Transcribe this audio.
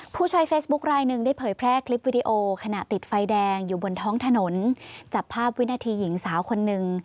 ผู้ใช้เฟซบุ๊คลายหนึ่งได้เผยแพร่คลิปวิดีโอขณะติดไฟแดงอยู่บนท้องถนนจับภาพวินาทีหญิงสาวคนหนึ่ง